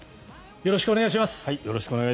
よろしくお願いします。